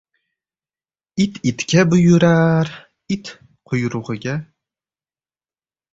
It itga buyurar, it — quyrug'iga.